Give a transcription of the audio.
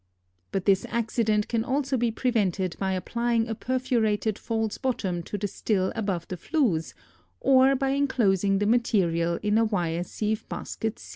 But this accident can also be prevented by applying a perforated false bottom to the still above the flues, or by inclosing the material in a wire sieve basket C.